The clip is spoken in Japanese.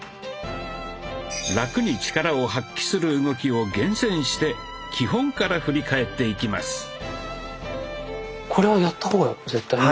ラクに力を発揮する動きを厳選して基本から振り返っていきます。